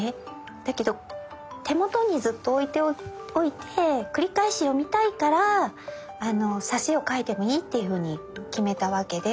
だけど手元にずっと置いておいて繰り返し読みたいから挿絵を描いてもいいっていうふうに決めたわけで。